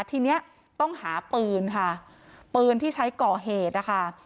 ทีนี้ต้องหาปืนค่ะปืนที่ใช้ก่อเหตุนะคะ